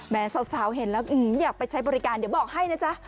สาวเห็นแล้วอยากไปใช้บริการเดี๋ยวบอกให้นะจ๊ะ